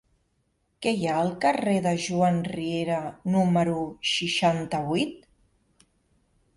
Què hi ha al carrer de Joan Riera número seixanta-vuit?